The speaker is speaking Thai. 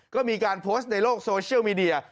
ก็มีการโพสต์ในโลกโซเชียลมีเดีย